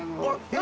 何？